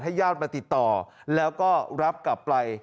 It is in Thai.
ญาติมาติดต่อแล้วก็รับกลับไป